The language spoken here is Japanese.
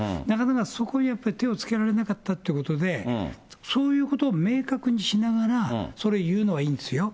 だからそこにやっぱり、手をつけられなかったということで、そういうことを明確にしながら、それ言うのはいいんですよ。